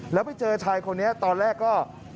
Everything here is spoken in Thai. แล้วไปเจอชายคนนี้ตอนแรกก็